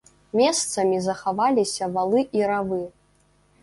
Месцамі захаваліся валы і равы.